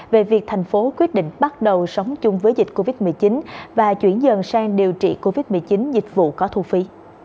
về việc thành phố quyết định bắt đầu sống chung với dịch covid một mươi chín và chuyển dần sang điều trị covid một mươi chín dịch vụ có thu phí